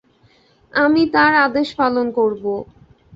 আমি তাঁর আদেশ পালন করব।